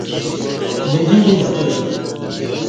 بدی بیستہ